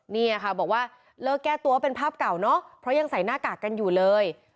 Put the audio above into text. เนี่ยค่ะบอกว่าเลิกแก้ตัวเป็นภาพเก่าเนอะเพราะยังใส่หน้ากากกันอยู่เลย